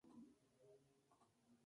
Es un animal marino comestible.